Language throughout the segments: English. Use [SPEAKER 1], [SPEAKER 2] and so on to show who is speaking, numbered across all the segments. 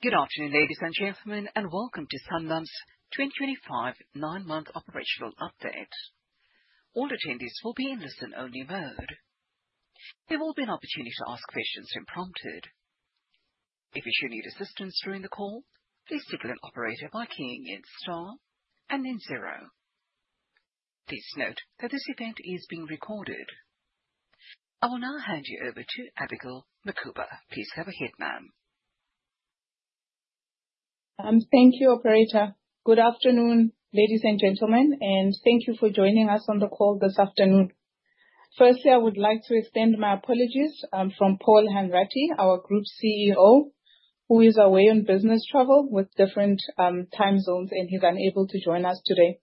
[SPEAKER 1] Good afternoon, ladies and gentlemen, and welcome to Sanlam's 2025 9-month operational update. All attendees will be in listen-only mode. There will be an opportunity to ask questions when prompted. If you should need assistance during the call, please signal an operator by keying in star and then zero. Please note that this event is being recorded. I will now hand you over to Abigail Mukhuba. Please have a hit man.
[SPEAKER 2] Thank you, Operator. Good afternoon, ladies and gentlemen, and thank you for joining us on the call this afternoon. Firstly, I would like to extend my apologies from Paul Hanratty, our Group CEO, who is away on business travel with different time zones, and he is unable to join us today.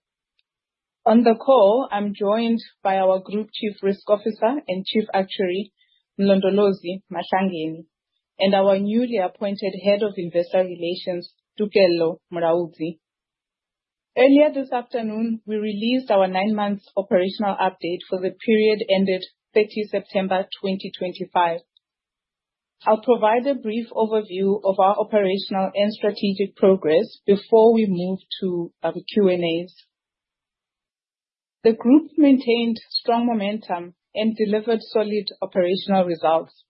[SPEAKER 2] On the call, I am joined by our Group Chief Risk Officer and Chief Actuary Mlondolozi Mahlangeni, and our newly appointed Head of Investor Relations, Dugello Mraudzi. Earlier this afternoon, we released our 9-month operational update for the period ended 30 September 2025. I will provide a brief overview of our operational and strategic progress before we move to our Q&As. The Group maintained strong momentum and delivered solid operational results.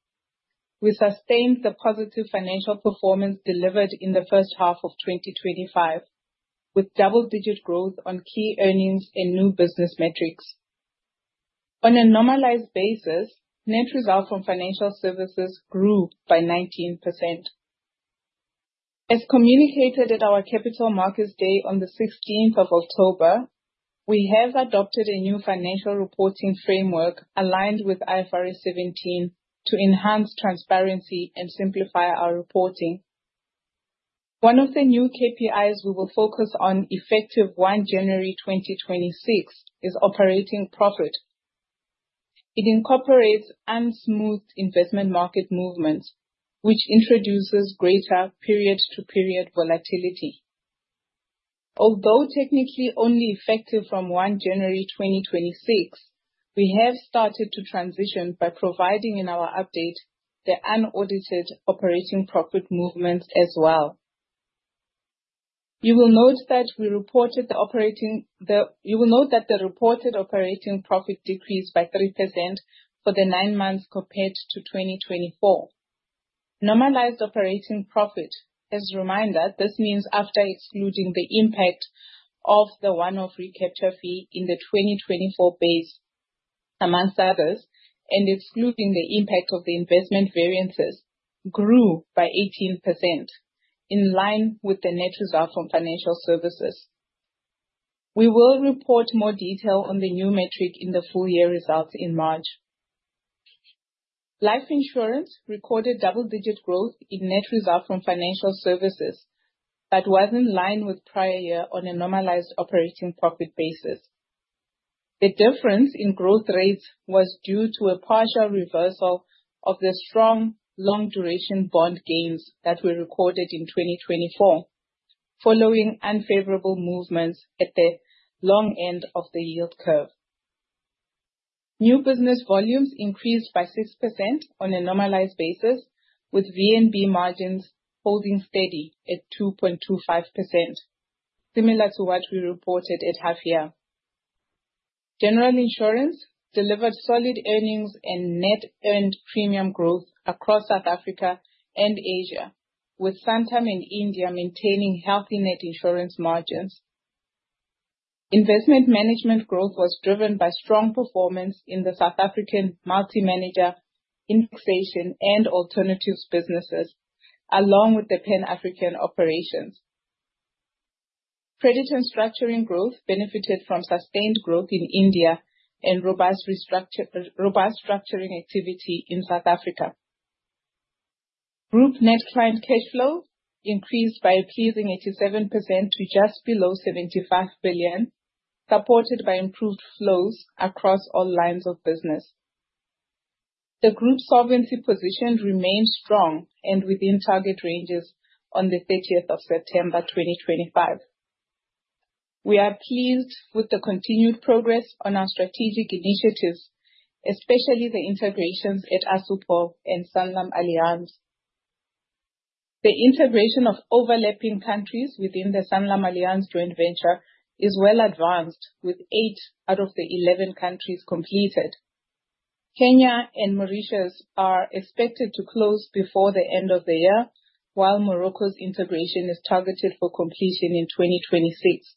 [SPEAKER 2] We sustained the positive financial performance delivered in the first half of 2025, with double-digit growth on key earnings and new business metrics. On a normalized basis, net result from financial services grew by 19%. As communicated at our Capital Markets Day on the 16th of October, we have adopted a new financial reporting framework aligned with IFRS 17 to enhance transparency and simplify our reporting. One of the new KPIs we will focus on effective 1 January 2026 is operating profit. It incorporates unsmoothed investment market movements, which introduces greater period-to-period volatility. Although technically only effective from 1 January 2026, we have started to transition by providing in our update the unaudited operating profit movements as well. You will note that we reported the operating—you will note that the reported operating profit decreased by 3% for the 9 months compared to 2024. Normalized operating profit, as a reminder, this means after excluding the impact of the one-off recapture fee in the 2024 base, amongst others, and excluding the impact of the investment variances, grew by 18% in line with the net result from financial services. We will report more detail on the new metric in the full year results in March. Life insurance recorded double-digit growth in net result from financial services that was in line with prior year on a normalized operating profit basis. The difference in growth rates was due to a partial reversal of the strong long-duration bond gains that were recorded in 2024, following unfavorable movements at the long end of the yield curve. New business volumes increased by 6% on a normalized basis, with VNB margins holding steady at 2.25%, similar to what we reported at half year. General insurance delivered solid earnings and net earned premium growth across South Africa and Asia, with Santam and India maintaining healthy net insurance margins. Investment management growth was driven by strong performance in the South African multi-manager indexation and alternatives businesses, along with the Pan-African operations. Credit and structuring growth benefited from sustained growth in India and robust structuring activity in South Africa. Group net client cash flow increased by a pleasing 87% to just below 75 billion, supported by improved flows across all lines of business. The group solvency position remained strong and within target ranges on the 30th of September 2025. We are pleased with the continued progress on our strategic initiatives, especially the integrations at ASUPO and Sanlam Alliance. The integration of overlapping countries within the Sanlam Alliance joint venture is well advanced, with 8 out of the 11 countries completed. Kenya and Mauritius are expected to close before the end of the year, while Morocco's integration is targeted for completion in 2026,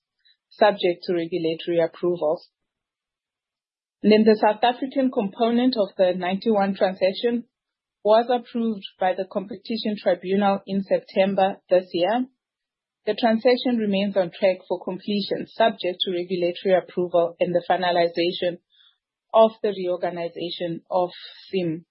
[SPEAKER 2] subject to regulatory approvals. The South African component of the 91 transaction was approved by the Competition Tribunal in September this year. The transaction remains on track for completion, subject to regulatory approval and the finalization of the reorganization of SIM.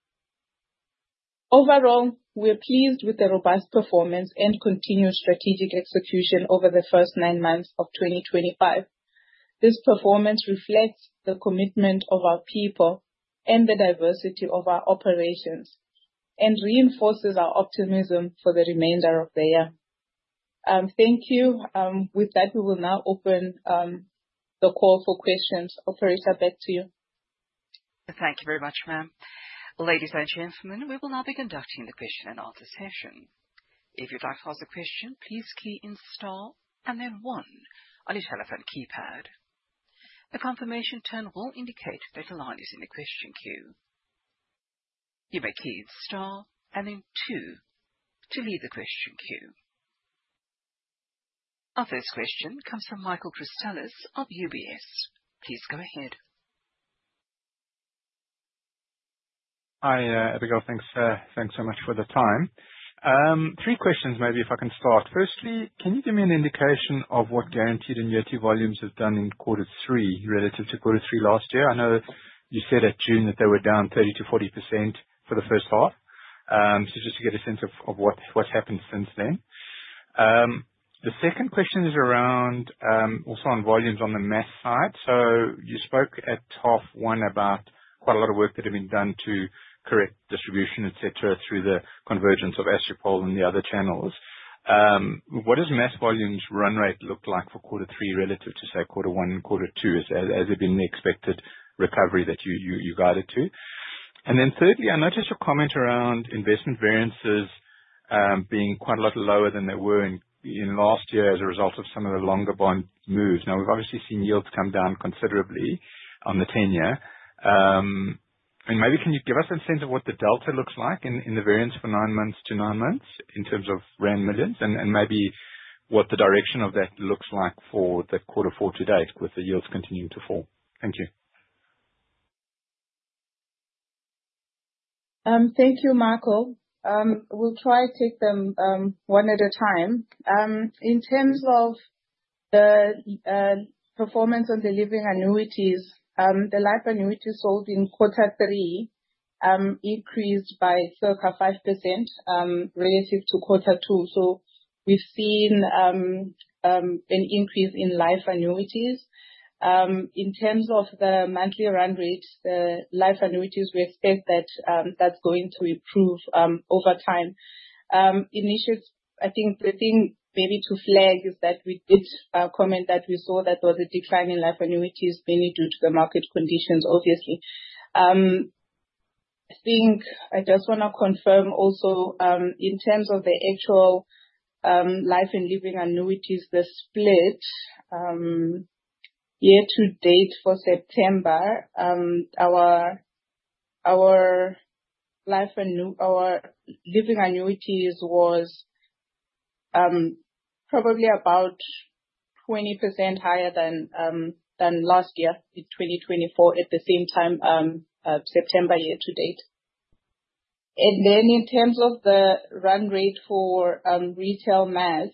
[SPEAKER 2] Overall, we're pleased with the robust performance and continued strategic execution over the first nine months of 2025. This performance reflects the commitment of our people and the diversity of our operations and reinforces our optimism for the remainder of the year. Thank you. With that, we will now open the call for questions. Operator, back to you.
[SPEAKER 1] Thank you very much, ma'am. Ladies and gentlemen, we will now be conducting the question and answer session. If you'd like to ask a question, please key in star and then one on your telephone keypad. A confirmation tone will indicate that the line is in the question queue. You may key in star and then two to leave the question queue. Our first question comes from Michael Cristallis of UBS. Please go ahead.
[SPEAKER 3] Hi, Abigail. Thanks so much for the time. Three questions, maybe, if I can start. Firstly, can you give me an indication of what guaranteed annuity volumes have done in quarter three relative to quarter three last year? I know you said at June that they were down 30-40% for the first half. Just to get a sense of what's happened since then. The second question is also around volumes on the mass side. You spoke at half one about quite a lot of work that had been done to correct distribution, etc., through the convergence of Astropol and the other channels. What does mass volumes run rate look like for quarter three relative to, say, quarter one and quarter two? Has there been the expected recovery that you guided to? Thirdly, I noticed your comment around investment variances being quite a lot lower than they were in last year as a result of some of the longer bond moves. We have obviously seen yields come down considerably on the tenure. Maybe can you give us a sense of what the delta looks like in the variance for nine months to nine months in terms of rand millions and maybe what the direction of that looks like for the quarter four to date with the yields continuing to fall? Thank you.
[SPEAKER 2] Thank you, Michael. We'll try to take them one at a time. In terms of the performance on delivering annuities, the life annuities sold in quarter three increased by circa 5% relative to quarter two. We have seen an increase in life annuities. In terms of the monthly run rates, the life annuities, we expect that that's going to improve over time. Initially, I think the thing maybe to flag is that we did comment that we saw that there was a decline in life annuities, mainly due to the market conditions, obviously. I think I just want to confirm also in terms of the actual life and living annuities, the split year to date for September, our living annuities was probably about 20% higher than last year in 2024 at the same time September year to date. In terms of the run rate for retail mass,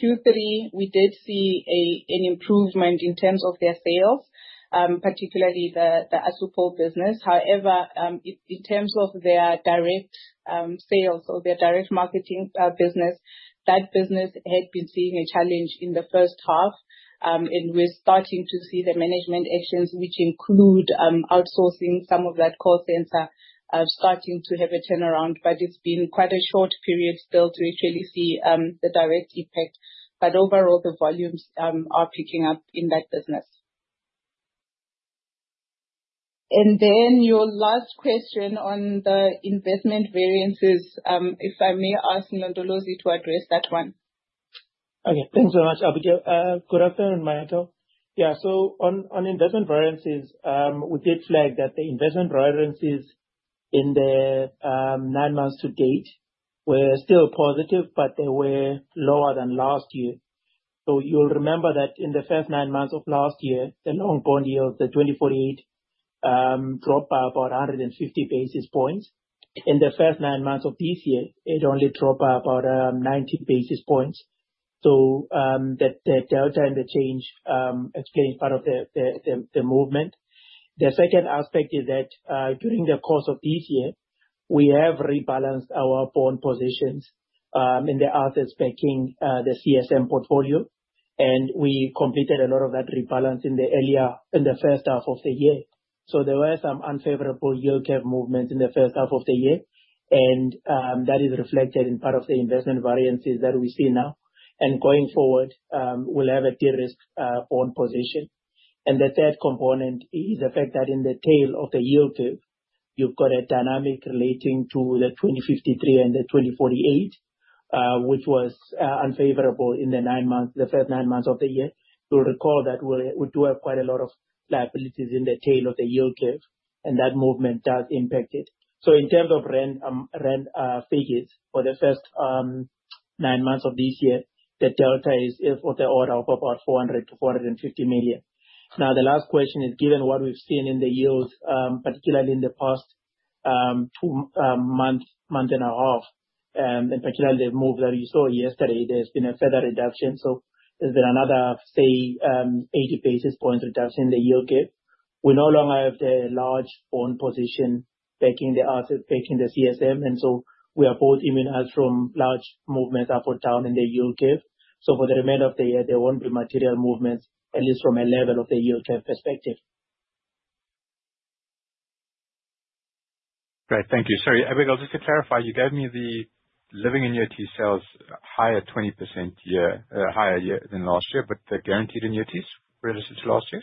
[SPEAKER 2] Q3, we did see an improvement in terms of their sales, particularly the ASUPO business. However, in terms of their direct sales or their direct marketing business, that business had been seeing a challenge in the first half, and we're starting to see the management actions, which include outsourcing some of that call center, starting to have a turnaround. It has been quite a short period still to actually see the direct impact. Overall, the volumes are picking up in that business. Your last question on the investment variances, if I may ask Mlondolozi to address that one.
[SPEAKER 4] Okay, thanks very much, Abigail. Good afternoon, Michael. Yeah, on investment variances, we did flag that the investment variances in the nine months to date were still positive, but they were lower than last year. You'll remember that in the first nine months of last year, the long bond yields, the 2048, dropped by about 150 basis points. In the first nine months of this year, it only dropped by about 90 basis points. The delta and the change explains part of the movement. The second aspect is that during the course of this year, we have rebalanced our bond positions in the assets backing the CSM portfolio, and we completed a lot of that rebalancing in the first half of the year. There were some unfavorable yield curve movements in the first half of the year, and that is reflected in part of the investment variances that we see now. Going forward, we'll have a de-risk bond position. The third component is the fact that in the tail of the yield curve, you've got a dynamic relating to the 2053 and the 2048, which was unfavorable in the first nine months of the year. You'll recall that we do have quite a lot of liabilities in the tail of the yield curve, and that movement does impact it. In terms of ZAR figures for the first nine months of this year, the delta is of the order of about 400 million-450 million. Now, the last question is, given what we've seen in the yields, particularly in the past month and a half, and particularly the move that you saw yesterday, there's been a further reduction. There has been another, say, 80 basis points reduction in the yield curve. We no longer have the large bond position backing the assets, backing the CSM, and we are both immunized from large movements up or down in the yield curve. For the remainder of the year, there will not be material movements, at least from a level of the yield curve perspective.
[SPEAKER 3] Great. Thank you. Sorry, Abigail, just to clarify, you gave me the living annuity sales higher 20% year higher year than last year, but the guaranteed annuities relative to last year?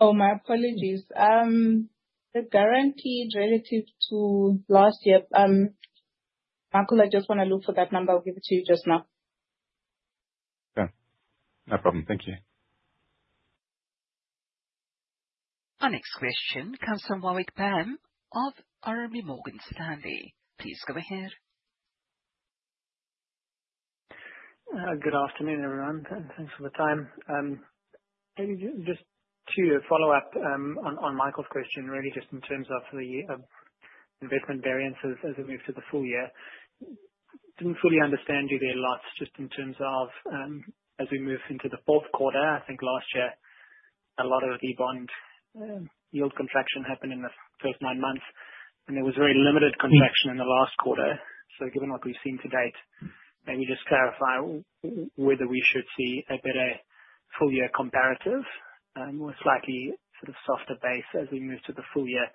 [SPEAKER 2] Oh, my apologies. The guaranteed relative to last year, Michael, I just want to look for that number. I'll give it to you just now.
[SPEAKER 3] Okay. No problem. Thank you.
[SPEAKER 1] Our next question comes from Warwick Bam of RMB Morgan Stanley. Please go ahead.
[SPEAKER 5] Good afternoon, everyone, and thanks for the time. Maybe just to follow up on Michael's question, really, just in terms of the investment variances as we move to the full year. Did not fully understand you very much just in terms of as we move into the fourth quarter, I think last year, a lot of the bond yield contraction happened in the first nine months, and there was very limited contraction in the last quarter. Given what we have seen to date, maybe just clarify whether we should see a better full-year comparative or slightly sort of softer base as we move to the full year.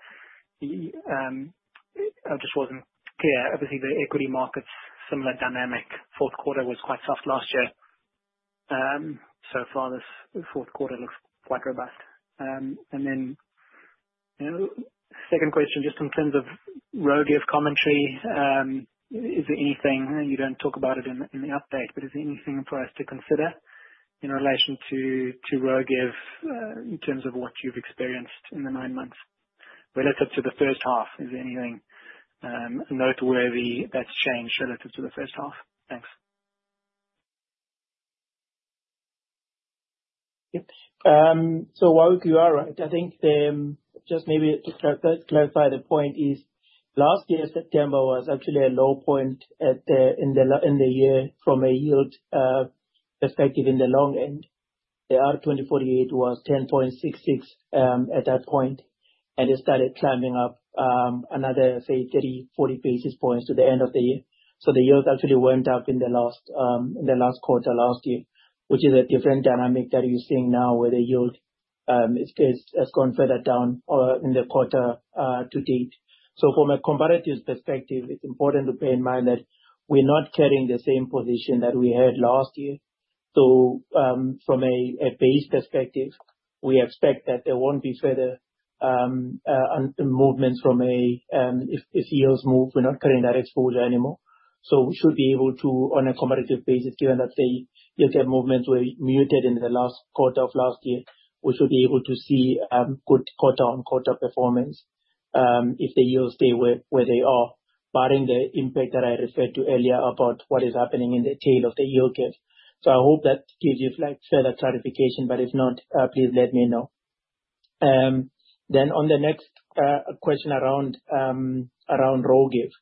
[SPEAKER 5] I just was not clear. Obviously, the equity markets, similar dynamic. Fourth quarter was quite soft last year. So far, this fourth quarter looks quite robust. Second question, just in terms of rogue commentary, is there anything you do not talk about in the update, but is there anything for us to consider in relation to rogue in terms of what you have experienced in the nine months relative to the first half? Is there anything noteworthy that has changed relative to the first half? Thanks.
[SPEAKER 4] Yep. While you are right, I think just maybe to clarify the point is last year, September was actually a low point in the year from a yield perspective in the long end. The R2048 was 10.66 at that point, and it started climbing up another, say, 30-40 basis points to the end of the year. The yields actually went up in the last quarter last year, which is a different dynamic that you are seeing now where the yield has gone further down in the quarter to date. From a comparative perspective, it is important to bear in mind that we are not carrying the same position that we had last year. From a base perspective, we expect that there will not be further movements if yields move, we are not carrying that exposure anymore. We should be able to, on a comparative basis, given that the yield curve movements were muted in the last quarter of last year, see good quarter-on-quarter performance if the yields stay where they are, barring the impact that I referred to earlier about what is happening in the tail of the yield curve. I hope that gives you further clarification, but if not, please let me know. On the next question around rogue gift,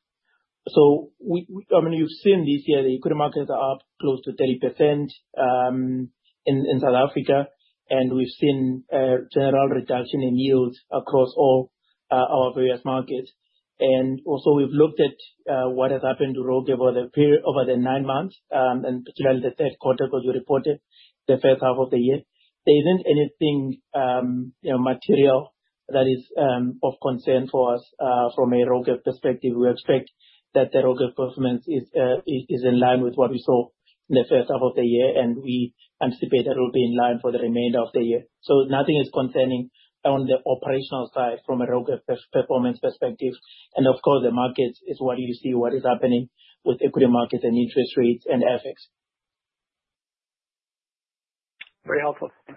[SPEAKER 4] I mean, we've seen this year the equity markets are up close to 30% in South Africa, and we've seen a general reduction in yields across all our various markets. Also, we've looked at what has happened to rogue over the nine months and particularly the third quarter that you reported, the first half of the year. There isn't anything material that is of concern for us from a rogue perspective. We expect that the rogue performance is in line with what we saw in the first half of the year, and we anticipate that it will be in line for the remainder of the year. Nothing is concerning on the operational side from a rogue performance perspective. Of course, the markets is what you see what is happening with equity markets and interest rates and effects.
[SPEAKER 5] Very helpful. Thanks.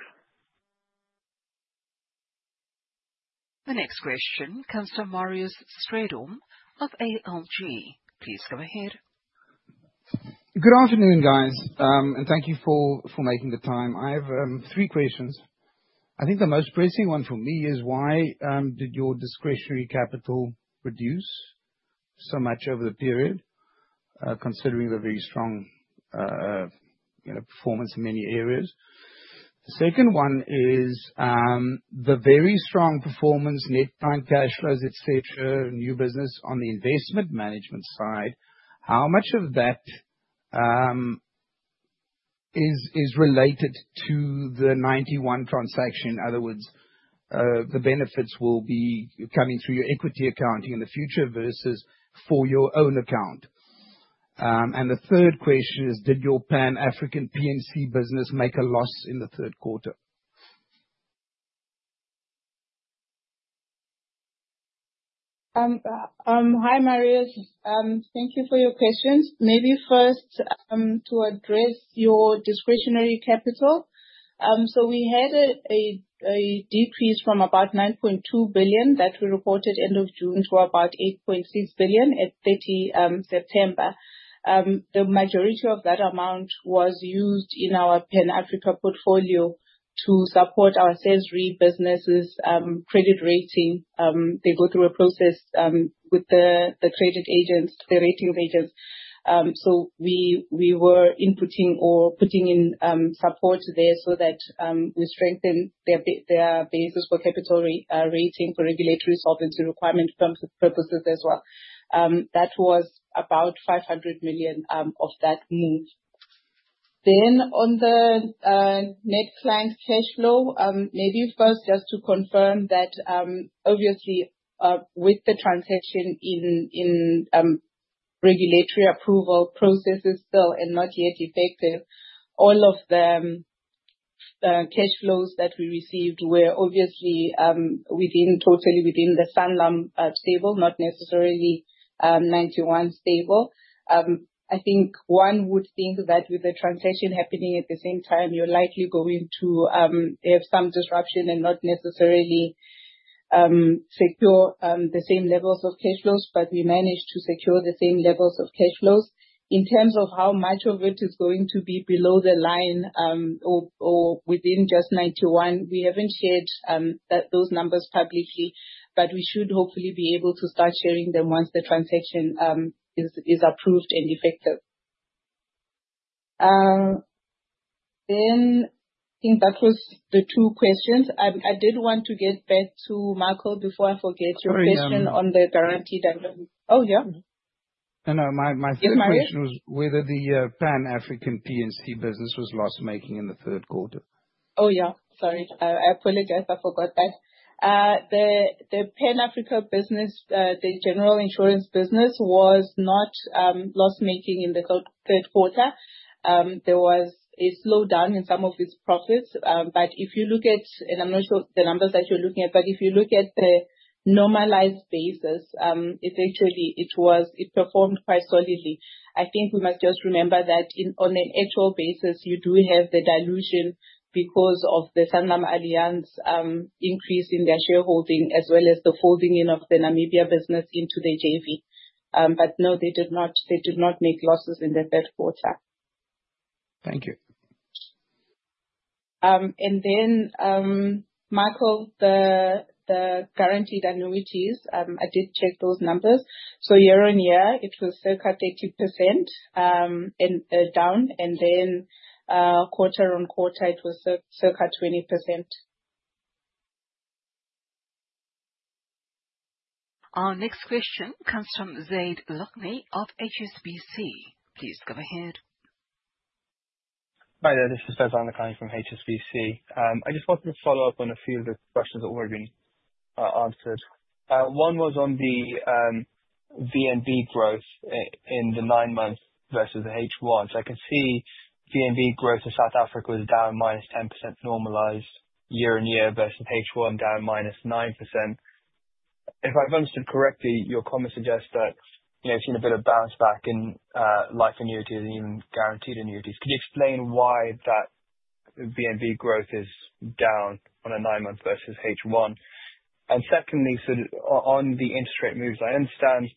[SPEAKER 1] The next question comes to Marius Stradom of ALG. Please go ahead.
[SPEAKER 6] Good afternoon, guys, and thank you for making the time. I have three questions. I think the most pressing one for me is why did your discretionary capital reduce so much over the period, considering the very strong performance in many areas? The second one is the very strong performance, net bank cash flows, etc., new business on the investment management side. How much of that is related to the 91 transaction? In other words, the benefits will be coming through your equity accounting in the future versus for your own account. The third question is, did your Pan-African PNC business make a loss in the third quarter?
[SPEAKER 2] Hi, Marius. Thank you for your questions. Maybe first to address your discretionary capital. We had a decrease from about 9.2 billion that we reported end of June to about 8.6 billion at 30 September. The majority of that amount was used in our Pan-African portfolio to support our sales rebusinesses credit rating. They go through a process with the credit agents, the rating agents. We were inputting or putting in support there so that we strengthen their basis for capital rating for regulatory solvency requirement purposes as well. That was about 500 million of that move. On the net client cash flow, maybe first just to confirm that obviously with the transition in regulatory approval processes still and not yet effective, all of the cash flows that we received were obviously totally within the Sanlam stable, not necessarily 91 stable. I think one would think that with the transition happening at the same time, you're likely going to have some disruption and not necessarily secure the same levels of cash flows, but we managed to secure the same levels of cash flows. In terms of how much of it is going to be below the line or within just 91, we haven't shared those numbers publicly, but we should hopefully be able to start sharing them once the transaction is approved and effective. I think that was the two questions. I did want to get back to Michael before I forget your question on the guaranteed annual. Oh, yeah.
[SPEAKER 6] No, no. My first question was whether the Pan-African PNC business was loss-making in the third quarter.
[SPEAKER 2] Oh, yeah. Sorry. I apologize. I forgot that. The Pan-African business, the general insurance business, was not loss-making in the third quarter. There was a slowdown in some of its profits. If you look at, and I'm not sure the numbers that you're looking at, but if you look at the normalized basis, it actually performed quite solidly. I think we must just remember that on an actual basis, you do have the dilution because of the Sanlam Alliance increase in their shareholding as well as the folding in of the Namibia business into the JV. No, they did not make losses in the third quarter.
[SPEAKER 6] Thank you.
[SPEAKER 2] Michael, the guaranteed annuities, I did check those numbers. Year-on-year, it was circa 30% down, and then quarter on quarter, it was circa 20%.
[SPEAKER 1] Our next question comes from Zayd Lockney of HSBC. Please go ahead.
[SPEAKER 7] Hi there. This is Faisal Nakarani from HSBC. I just wanted to follow up on a few of the questions that were already answered. One was on the VNB growth in the nine months versus the H1. I can see VNB growth in South Africa was down -10%, normalized year-on-year versus H1 down -9%. If I've understood correctly, your comments suggest that you've seen a bit of bounce back in life annuities and even guaranteed annuities. Could you explain why that VNB growth is down on a nine-month versus H1? Secondly, on the interest rate moves, I understand that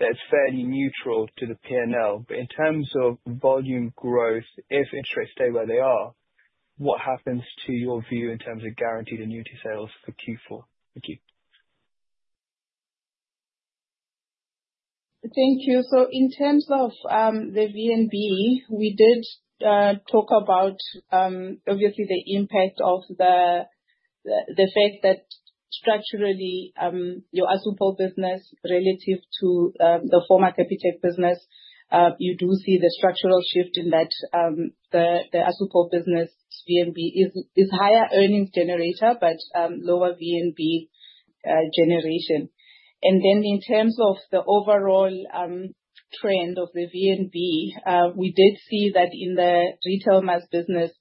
[SPEAKER 7] it's fairly neutral to the P&L, but in terms of volume growth, if interest rates stay where they are, what happens to your view in terms of guaranteed annuity sales for Q4? Thank you.
[SPEAKER 2] Thank you. In terms of the VNB, we did talk about, obviously, the impact of the fact that structurally your Astropol business relative to the former Capitec business, you do see the structural shift in that the Astropol business VNB is higher earnings generator, but lower VNB generation. In terms of the overall trend of the VNB, we did see that in the retail mass business,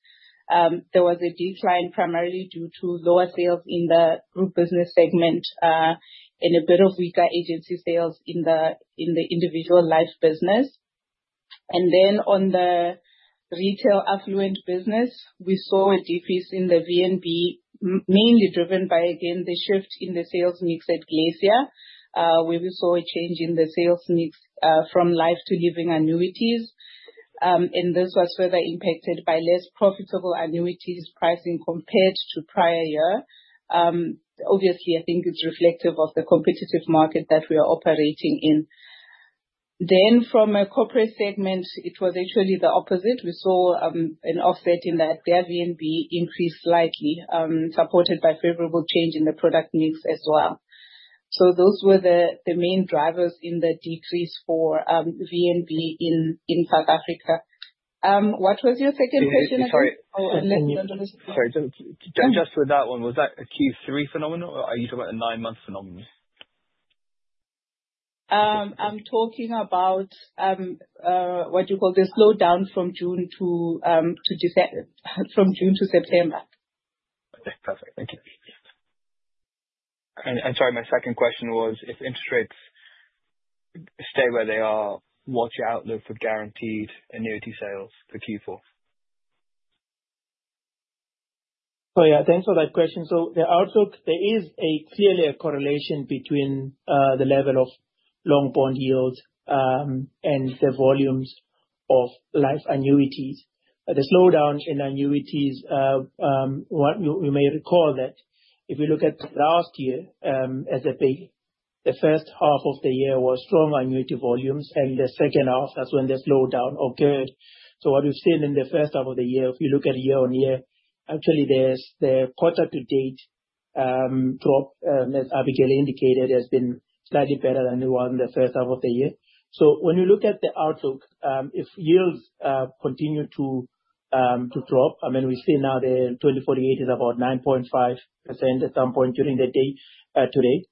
[SPEAKER 2] there was a decline primarily due to lower sales in the group business segment and a bit of weaker agency sales in the individual life business. On the retail affluent business, we saw a decrease in the VNB, mainly driven by, again, the shift in the sales mix at Glacier, where we saw a change in the sales mix from life to living annuities. This was further impacted by less profitable annuities pricing compared to prior year. Obviously, I think it's reflective of the competitive market that we are operating in. From a corporate segment, it was actually the opposite. We saw an offset in that their VNB increased slightly, supported by favorable change in the product mix as well. Those were the main drivers in the decrease for VNB in South Africa. What was your second question?
[SPEAKER 7] Sorry. Just with that one, was that a Q3 phenomenon or are you talking about a nine-month phenomenon?
[SPEAKER 2] I'm talking about what you call the slowdown from June-September.
[SPEAKER 7] Okay. Perfect. Thank you. Sorry, my second question was, if interest rates stay where they are, what's your outlook for guaranteed annuity sales for Q4?
[SPEAKER 4] Yeah, thanks for that question. The outlook, there is clearly a correlation between the level of long bond yields and the volumes of life annuities. The slowdown in annuities, you may recall that if you look at last year as the first half of the year was strong annuity volumes and the second half, that's when the slowdown occurred. What we've seen in the first half of the year, if you look at year-on-year, actually the quarter-to-date drop, as Abigail indicated, has been slightly better than it was in the first half of the year. When you look at the outlook, if yields continue to drop, I mean, we see now the 2048 is about 9.5% at some point during the day today.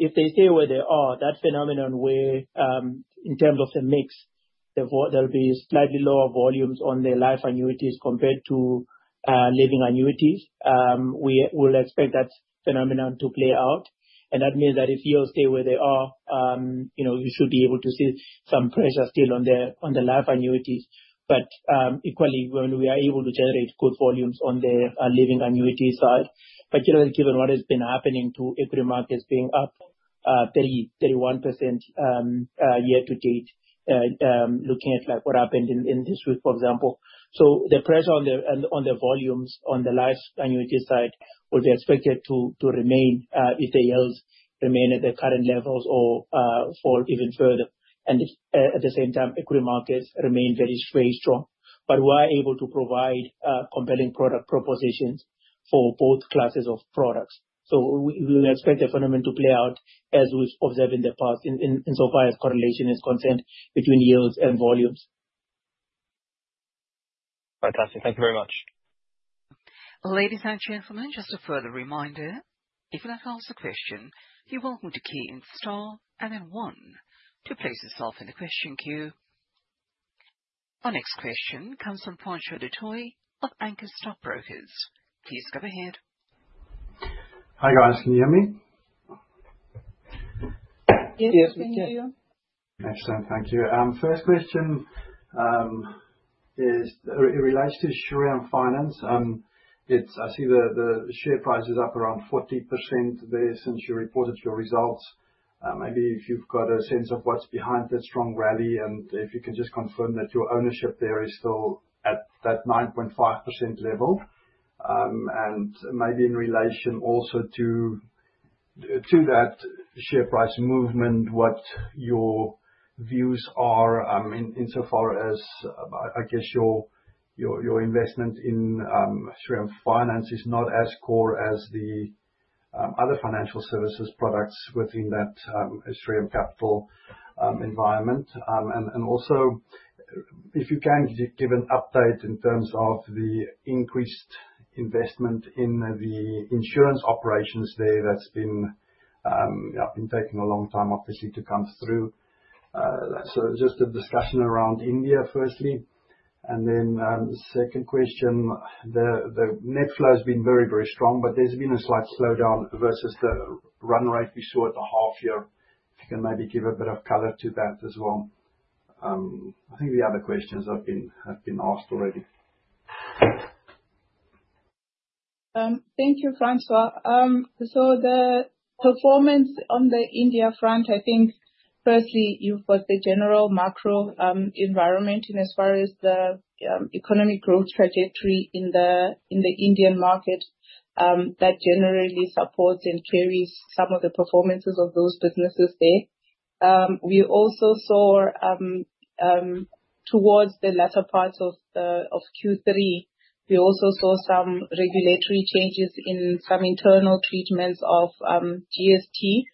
[SPEAKER 4] If they stay where they are, that phenomenon where in terms of the mix, there'll be slightly lower volumes on their life annuities compared to living annuities, we will expect that phenomenon to play out. That means that if yields stay where they are, you should be able to see some pressure still on the life annuities. Equally, when we are able to generate good volumes on the living annuity side, particularly given what has been happening to equity markets being up 31% year to date, looking at what happened in this week, for example. The pressure on the volumes on the life annuity side would be expected to remain if the yields remain at the current levels or fall even further. At the same time, equity markets remain very strong. We are able to provide compelling product propositions for both classes of products. We expect the phenomenon to play out as we've observed in the past insofar as correlation is concerned between yields and volumes.
[SPEAKER 7] Fantastic. Thank you very much.
[SPEAKER 1] Ladies and gentlemen, just a further reminder, if you'd like to ask a question, you're welcome to key in star and then one to place yourself in the question queue. Our next question comes from Pancho Datoy of Anchor Stock Brokers. Please go ahead.
[SPEAKER 8] Hi guys. Can you hear me?
[SPEAKER 2] Yes, we can.
[SPEAKER 8] Yes, we can. Excellent. Thank you. First question is it relates to Shriram Finance. I see the share price is up around 40% there since you reported your results. Maybe if you've got a sense of what's behind that strong rally and if you can just confirm that your ownership there is still at that 9.5% level. Maybe in relation also to that share price movement, what your views are insofar as I guess your investment in Shriram Finance is not as core as the other financial services products within that Shriram Capital environment. Also, if you can give an update in terms of the increased investment in the insurance operations there, that's been taking a long time, obviously, to come through. Just a discussion around India firstly. The net flow has been very, very strong, but there's been a slight slowdown versus the run rate we saw at the half year. If you can maybe give a bit of color to that as well. I think the other questions have been asked already.
[SPEAKER 2] Thank you, François. The performance on the India front, I think firstly you've got the general macro environment in as far as the economic growth trajectory in the Indian market that generally supports and carries some of the performances of those businesses there. We also saw towards the latter part of Q3, we also saw some regulatory changes in some internal treatments of GST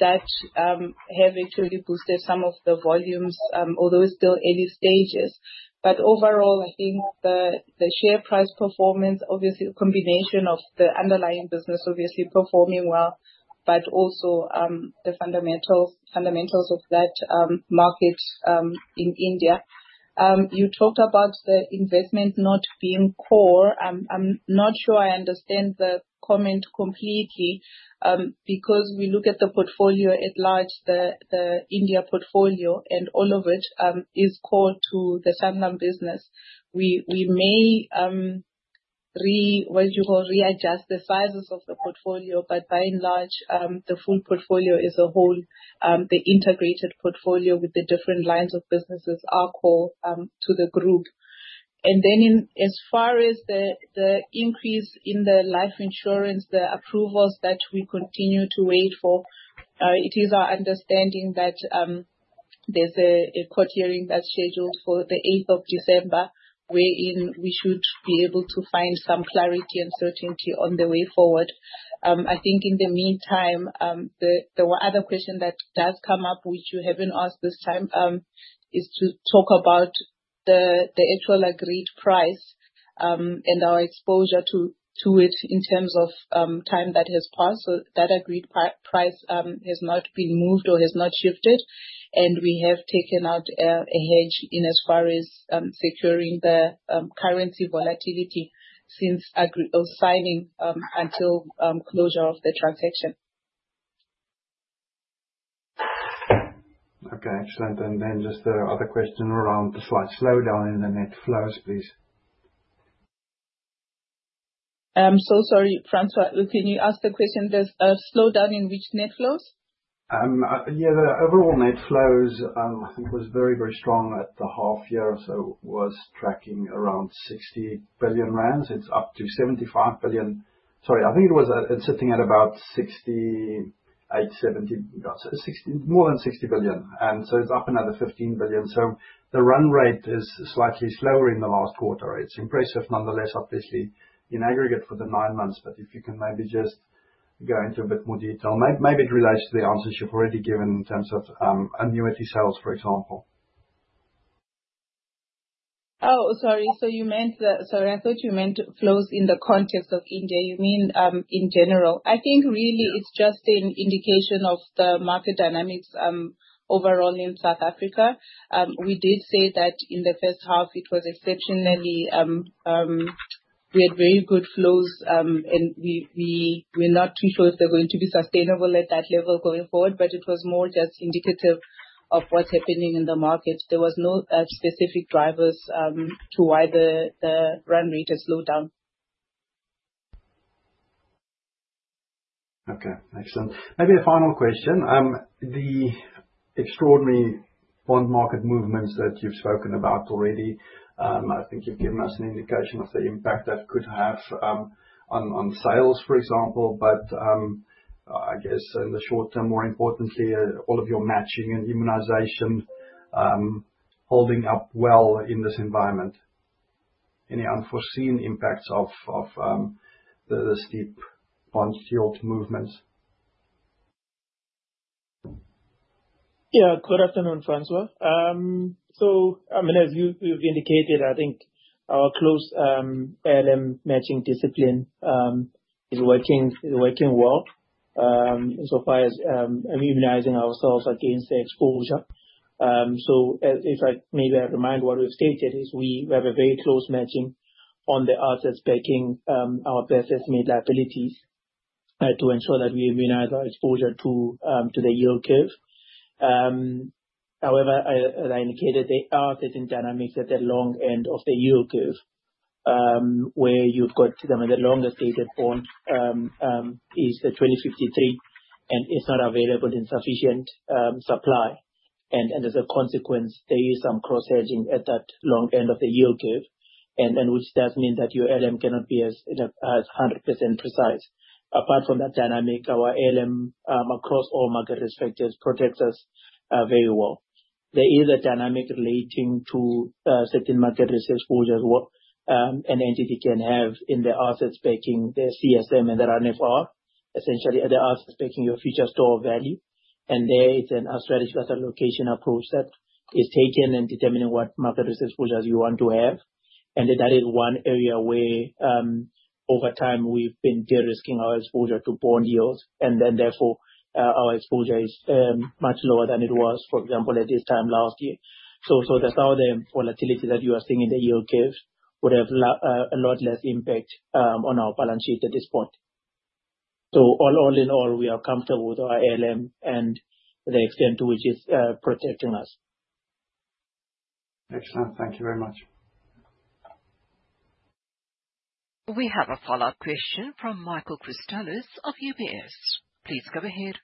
[SPEAKER 2] that have actually boosted some of the volumes, although still early stages. Overall, I think the share price performance, obviously a combination of the underlying business obviously performing well, but also the fundamentals of that market in India. You talked about the investment not being core. I'm not sure I understand the comment completely because we look at the portfolio at large, the India portfolio, and all of it is core to the Sanlam business. We may, what you call, readjust the sizes of the portfolio, but by and large, the full portfolio as a whole, the integrated portfolio with the different lines of businesses are core to the group. As far as the increase in the life insurance, the approvals that we continue to wait for, it is our understanding that there is a court hearing that is scheduled for the 8th of December, wherein we should be able to find some clarity and certainty on the way forward. I think in the meantime, there were other questions that do come up, which you have not asked this time, is to talk about the actual agreed price and our exposure to it in terms of time that has passed. That agreed price has not been moved or has not shifted, and we have taken out a hedge in as far as securing the currency volatility since signing until closure of the transaction.
[SPEAKER 8] Okay. Excellent. Just the other question around the slight slowdown in the net flows, please.
[SPEAKER 2] Sorry, Francois, can you ask the question? There's a slowdown in which net flows?
[SPEAKER 8] Yeah. The overall net flows was very, very strong at the half year or so, was tracking around 60 billion rand. It's up to 75 billion. Sorry, I think it was sitting at about 68, 70, more than 60 billion. It's up another 15 billion. The run rate is slightly slower in the last quarter. It's impressive nonetheless, obviously, in aggregate for the nine months. If you can maybe just go into a bit more detail, maybe it relates to the answers you've already given in terms of annuity sales, for example.
[SPEAKER 2] Oh, sorry. You meant that, sorry, I thought you meant flows in the context of India. You mean in general. I think really it's just an indication of the market dynamics overall in South Africa. We did say that in the first half, it was exceptionally, we had very good flows, and we're not too sure if they're going to be sustainable at that level going forward, but it was more just indicative of what's happening in the market. There were no specific drivers to why the run rate has slowed down.
[SPEAKER 8] Okay. Excellent. Maybe a final question. The extraordinary bond market movements that you've spoken about already, I think you've given us an indication of the impact that could have on sales, for example. I guess in the short term, more importantly, all of your matching and immunization holding up well in this environment. Any unforeseen impacts of the steep bond yield movements?
[SPEAKER 4] Yeah. Good afternoon, François. As you have indicated, I think our close LM matching discipline is working well insofar as immunizing ourselves against the exposure. If I maybe remind what we have stated, we have a very close matching on the assets backing our best estimated liabilities to ensure that we immunize our exposure to the yield curve. However, as I indicated, the assets and dynamics at the long end of the yield curve, where you have some of the longest dated bond is the 2053, and it is not available in sufficient supply. As a consequence, there is some cross-hedging at that long end of the yield curve, which does mean that your LM cannot be as 100% precise. Apart from that dynamic, our LM across all market respectives protects us very well. There is a dynamic relating to certain market risk exposures an entity can have in the assets backing the CSM and the RNFR, essentially the assets backing your future store of value. There is a strategic asset allocation approach that is taken in determining what market risk exposures you want to have. That is one area where over time we have been de-risking our exposure to bond yields. Therefore, our exposure is much lower than it was, for example, at this time last year. The sudden volatility that you are seeing in the yield curve would have a lot less impact on our balance sheet at this point. All in all, we are comfortable with our LM and the extent to which it is protecting us.
[SPEAKER 8] Excellent. Thank you very much.
[SPEAKER 1] We have a follow-up question from Michael Cristallis of UBS. Please go ahead.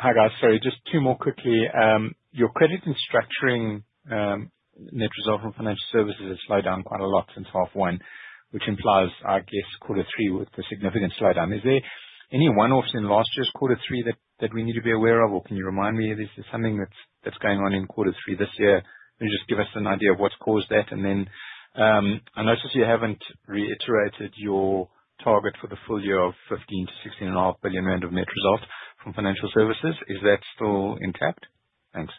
[SPEAKER 3] Hi guys. Sorry, just two more quickly. Your credit and structuring net result from financial services has slowed down quite a lot since half one, which implies our guess quarter three with a significant slowdown. Is there any one-offs in last year's quarter three that we need to be aware of, or can you remind me? This is something that's going on in quarter three this year. Just give us an idea of what's caused that. I noticed you haven't reiterated your target for the full year of 15 billion-16.5 billion rand of net result from financial services. Is that still intact? Thanks.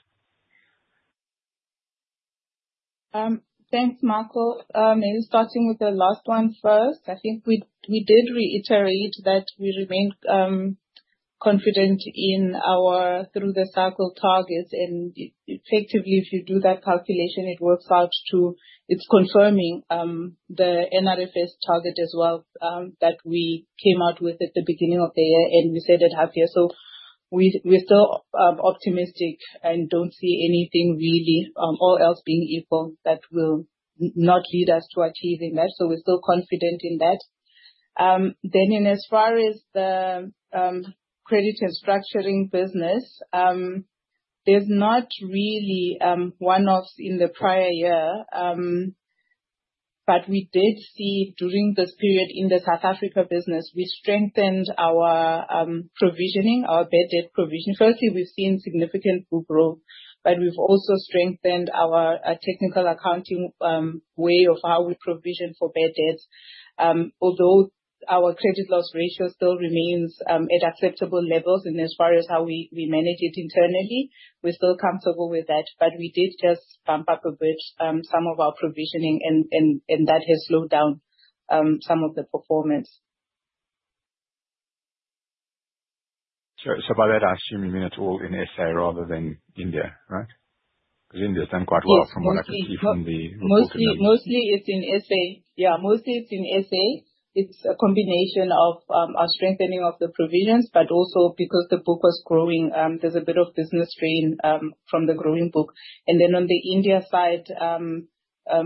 [SPEAKER 2] Thanks, Michael. Maybe starting with the last one first. I think we did reiterate that we remained confident in our through-the-cycle targets. If you do that calculation, it works out to it's confirming the NRFS target as well that we came out with at the beginning of the year, and we said it half year. We are still optimistic and do not see anything really, all else being equal, that will not lead us to achieving that. We are still confident in that. In as far as the credit and structuring business, there are not really one-offs in the prior year. We did see during this period in the South Africa business, we strengthened our provisioning, our bad debt provision. Firstly, we have seen significant book growth, but we have also strengthened our technical accounting way of how we provision for bad debts. Although our credit loss ratio still remains at acceptable levels in as far as how we manage it internally, we are still comfortable with that. We did just bump up a bit some of our provisioning, and that has slowed down some of the performance.
[SPEAKER 8] By that, I assume you mean it's all in SA rather than India, right? Because India has done quite well from what I can see from the report.
[SPEAKER 2] Mostly it's in SA. Yeah, mostly it's in SA. It's a combination of our strengthening of the provisions, but also because the book was growing, there's a bit of business strain from the growing book. On the India side,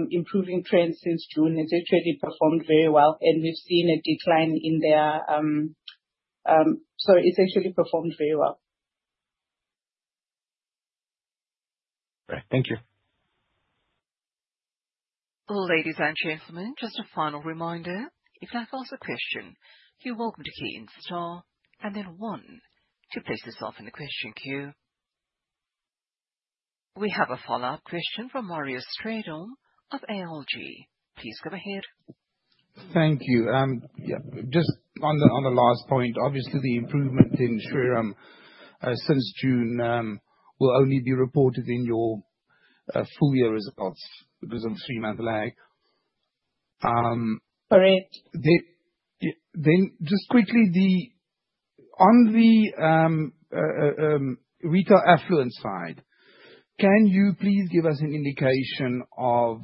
[SPEAKER 2] improving trends since June. It's actually performed very well, and we've seen a decline in their, sorry, it's actually performed very well.
[SPEAKER 3] Great. Thank you.
[SPEAKER 1] Ladies and gentlemen, just a final reminder. If you'd like to ask a question, you're welcome to key in star and then one to place yourself in the question queue. We have a follow-up question from Marius Stradom of ALG. Please go ahead.
[SPEAKER 6] Thank you. Just on the last point, obviously the improvement in Shriram since June will only be reported in your full year results because of three-month lag.
[SPEAKER 2] Correct.
[SPEAKER 6] Just quickly, on the retail affluence side, can you please give us an indication of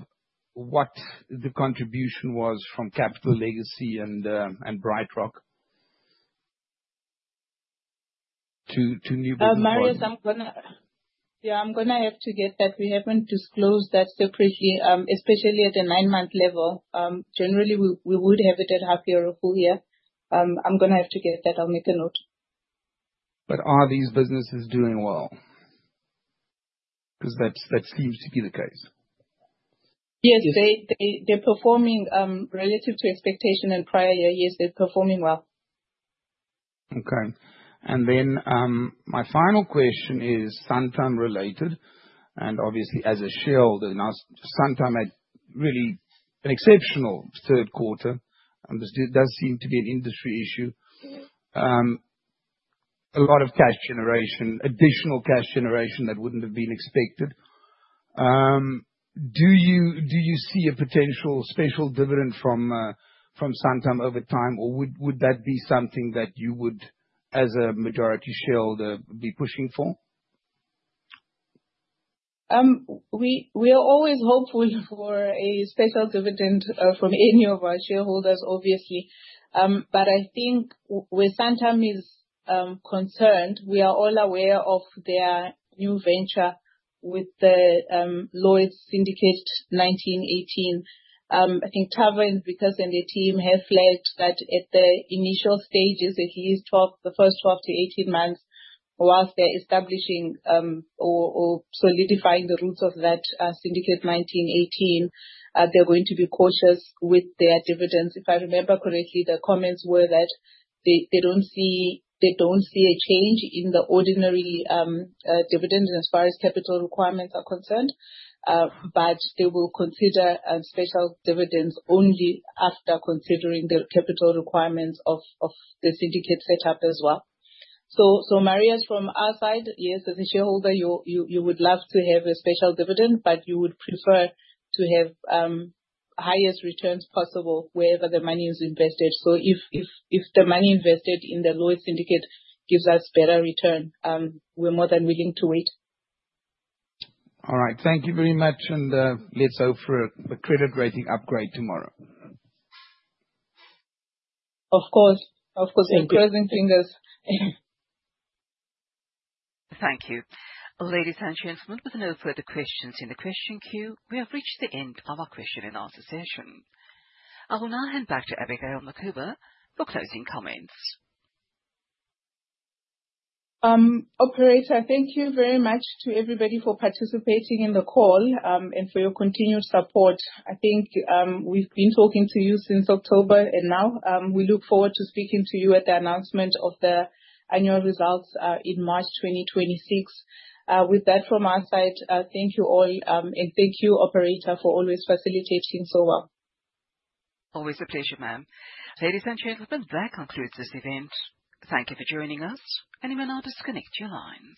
[SPEAKER 6] what the contribution was from Capital Legacy and BrightRock to new businesses?
[SPEAKER 2] Marius, I'm going to have to get that. We happen to disclose that separately, especially at a nine-month level. Generally, we would have it at half year or full year. I'm going to have to get that. I'll make a note.
[SPEAKER 6] Are these businesses doing well? Because that seems to be the case.
[SPEAKER 2] Yes, they're performing relative to expectation in prior years. Yes, they're performing well.
[SPEAKER 6] Okay. Then my final question is Santam related. Obviously, as a shareholder, Santam had really an exceptional third quarter. It does seem to be an industry issue. A lot of cash generation, additional cash generation that would not have been expected. Do you see a potential special dividend from Santam over time, or would that be something that you would, as a majority shareholder, be pushing for?
[SPEAKER 2] We are always hopeful for a special dividend from any of our shareholders, obviously. I think where Santam is concerned, we are all aware of their new venture with the Lloyd's Syndicate 1918. I think Taverns Bickers and their team have flagged that at the initial stages, at least the first 12-18 months, whilst they're establishing or solidifying the roots of that Syndicate 1918, they're going to be cautious with their dividends. If I remember correctly, the comments were that they do not see a change in the ordinary dividend as far as capital requirements are concerned, but they will consider special dividends only after considering the capital requirements of the syndicate setup as well. Marius, from our side, yes, as a shareholder, you would love to have a special dividend, but you would prefer to have highest returns possible wherever the money is invested. If the money invested in the Lloyd's Syndicate gives us better return, we're more than willing to wait.
[SPEAKER 6] All right. Thank you very much. Let's hope for a credit rating upgrade tomorrow.
[SPEAKER 2] Of course. Of course. We're crossing fingers.
[SPEAKER 1] Thank you. Ladies and gentlemen, with no further questions in the question queue, we have reached the end of our question and answer session. I will now hand back to Abigail Mukhuba for closing comments.
[SPEAKER 2] Operator, thank you very much to everybody for participating in the call and for your continued support. I think we've been talking to you since October and now. We look forward to speaking to you at the announcement of the annual results in March 2026. With that from our side, thank you all, and thank you, Operator, for always facilitating so well.
[SPEAKER 1] Always a pleasure, ma'am. Ladies and gentlemen, that concludes this event. Thank you for joining us, and you may now disconnect your lines.